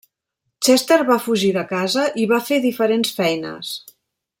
Chester va fugir de casa i va fer diferents feines.